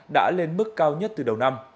đã lên mức cao nhất từ đầu năm